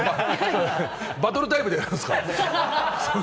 バトルタイプでやるんですか？